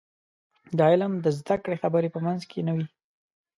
د علم د زده کړې خبرې په منځ کې نه وي.